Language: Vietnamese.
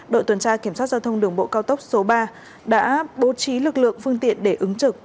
đội tuần tra kiểm soát giao thông đường bộ cao tốc số ba đã bố trí lực lượng phương tiện để ứng trực